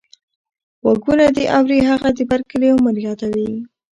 غوږونه دې اوري هغه د بر کلي عمر يادوې.